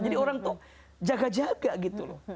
jadi orang itu jaga jaga gitu loh